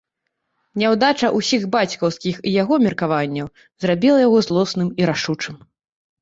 Няўдача ўсіх бацькаўскіх і яго меркаванняў зрабіла яго злосным і рашучым.